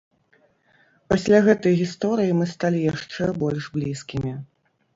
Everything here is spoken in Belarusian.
Пасля гэтай гісторыі мы сталі яшчэ больш блізкімі.